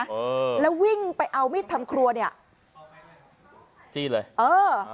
เออแล้ววิ่งไปเอามีดทำครัวเนี้ยจี้เลยเออ